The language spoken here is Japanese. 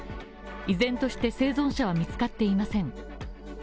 依然として、生存者は見つかっていません。